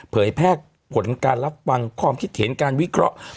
เผยแพร่ผลการรับฟังความคิดเห็นการวิเคราะห์